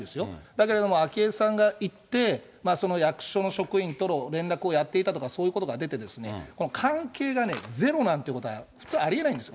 だけれども昭恵さんが行って、その役所の職員との連絡をやっていたとか、そういうことが出て、関係がね、ゼロなんていうことは、普通、ありえないんです。